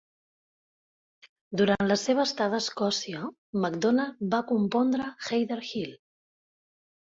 Durant la seva estada a Escòcia, MacDonald va compondre "Heather Hill".